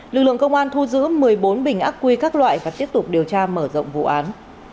lực lượng công an thu giữ một mươi bốn bình ác quy các loại và tiếp tục điều tra mở rộng vụ án